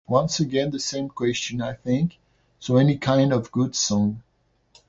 Once again the same question I think, so any kind of good song.